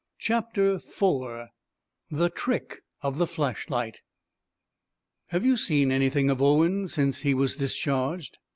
CHAPTER IV THE TRICK OF THE FLASHLIGHT "Have you seen anything of Owen, since he was discharged?"